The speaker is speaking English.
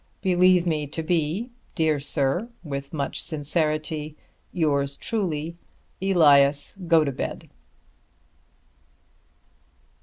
Believe me to be, Dear Sir, With much sincerity, Yours truly, ELIAS GOTOBED.